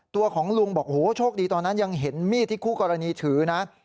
ตัวของลุงบอกโอ้โหโชคดีตอนนั้นยังเห็นมีดที่คู่กรณีถือนะ